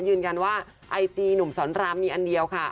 ยืนยันว่าไอจีหนุ่มสอนรามมีอันเดียวค่ะ